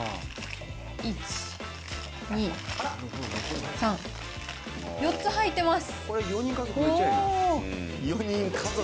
１、２、３、４つ入ってます。